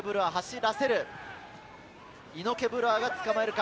イノケ・ブルアがつかまえるか？